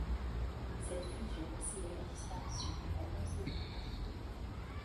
Cette fusion a scellé la disparition de l'Alliance démocrate.